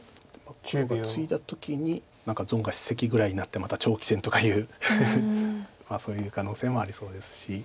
黒がツイだ時に何か存外セキぐらいになってまた長期戦とかいうそういう可能性もありそうですし。